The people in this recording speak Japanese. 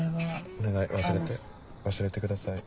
お願い忘れて忘れてください。